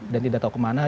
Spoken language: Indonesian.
dan tidak tahu kemana